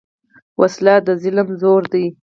وسله د ظلم زور ده